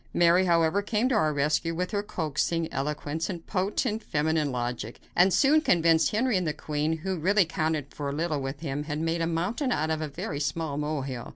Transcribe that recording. Mary, however, came to our rescue with her coaxing eloquence and potent, feminine logic, and soon convinced Henry that the queen, who really counted for little with him, had made a mountain out of a very small mole hill.